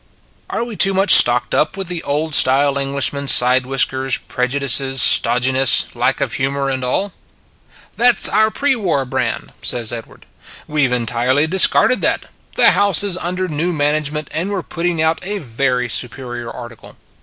Are we too much stocked up with the old style Englishman side whiskers prejudices stodginess lack of humor and all? " That s our pre war brand," says Ed ward. " We Ve entirely discarded that. The House is under new management and we re putting out a very superior article.